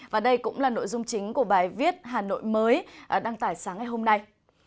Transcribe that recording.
và đây cũng là nội dung chính của bài viết hà nội mới đăng tải sáng ngày hôm nay